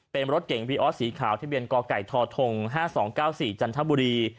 เป็นรถเก่งวีออสสีขาวทะเบียนกไก่ทธ๕๒๙๔จันทบุรี